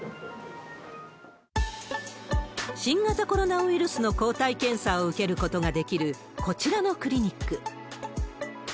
新型コロナウイルスの抗体検査を受けることができる、こちらのクリニック。